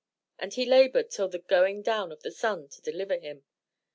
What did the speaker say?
And he labored till the going down of the sun to deliver him.